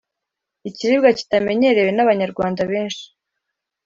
ikiribwa kitamenyerewe n’Abanyarwanda benshi